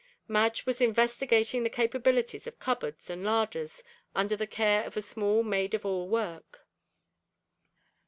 Madge was investigating the capabilities of cupboards and larders, under the care of a small maid of all work.